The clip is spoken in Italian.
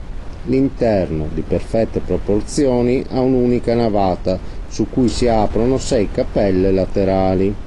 L'interno, di perfette proporzioni, ha un'unica navata su cui si aprono sei cappelle laterali.